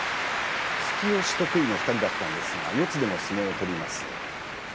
突き押し得意の２人だったんですが四つでも相撲を取ります。